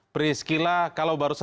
priskyla kalau berbicara